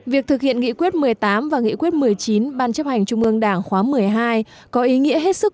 việc thực hiện nghị quyết một mươi tám và nghị quyết một mươi chín ban chấp hành trung ương đảng khóa một mươi hai có ý nghĩa hết sức